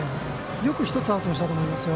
よく１つアウトにしたと思います。